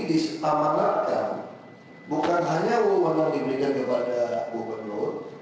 disamanarkan bukan hanya umumnya diberikan kepada gubernur